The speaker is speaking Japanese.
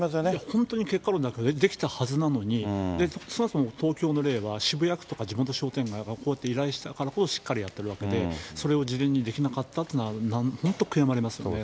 本当に、結果論だけど、できたはずなのに、そもそも東京の例は、渋谷区とか地元商店街がこうやって依頼したからこそしっかりやってるわけで、それを事前にできなかったっていうのは、本当悔やまれますね。